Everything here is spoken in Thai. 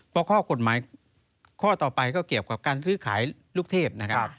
เพราะข้อกฎหมายข้อต่อไปก็เกี่ยวกับการซื้อขายลูกเทพนะครับ